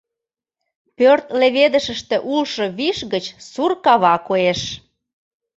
Пӧрт леведышыште улшо виш гыч сур кава коеш.